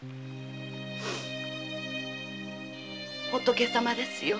仏様ですよ